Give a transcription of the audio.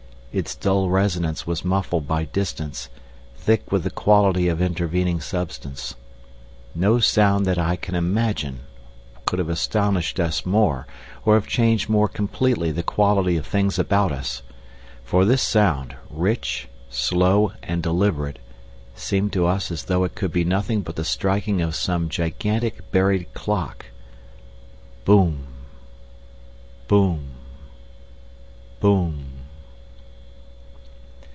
Its dull resonance was muffled by distance, thick with the quality of intervening substance. No sound that I can imagine could have astonished us more, or have changed more completely the quality of things about us. For this sound, rich, slow, and deliberate, seemed to us as though it could be nothing but the striking of some gigantic buried clock. Boom.... Boom.... Boom.